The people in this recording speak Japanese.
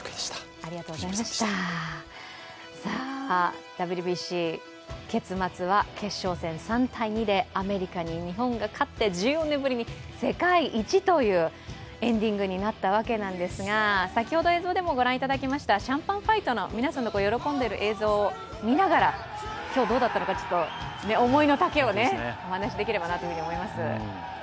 さあ、ＷＢＣ、結末は決勝戦３−２でアメリカに日本が勝って、１４年ぶりに世界一というエンディングになった訳なんですが先ほど映像でもご覧いただきました、シャンパンファイトの皆さんの喜んでいる映像を見ながら、今日どうだったのか、思いのたけをお話しできればと思います。